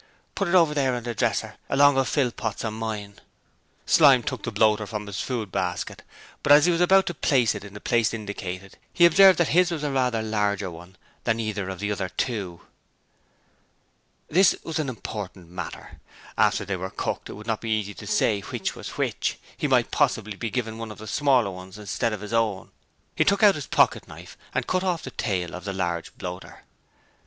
'Put it over there on the dresser along of Philpot's and mine.' Slyme took the bloater from his food basket, but as he was about to put it in the place indicated, he observed that his was rather a larger one than either of the other two. This was an important matter. After they were cooked it would not be easy to say which was which: he might possibly be given one of the smaller ones instead of his own. He took out his pocket knife and cut off the tail of the large bloater.